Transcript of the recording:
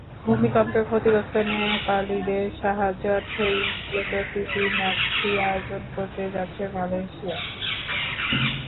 ভূমিকম্পে ক্ষতিগ্রস্ত নেপালিদের সাহায্যার্থেই মূলত প্রীতি ম্যাচটি আয়োজন করতে যাচ্ছে মালয়েশিয়া।